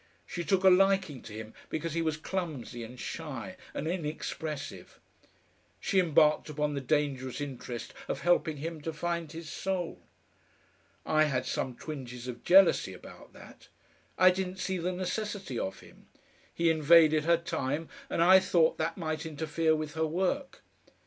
She took a liking to him because he was clumsy and shy and inexpressive; she embarked upon the dangerous interest of helping him to find his soul. I had some twinges of jealousy about that. I didn't see the necessity of him. He invaded her time, and I thought that might interfere with her work.